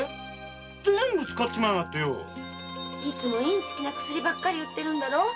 いつもインチキな薬ばっかり売ってるんだろ。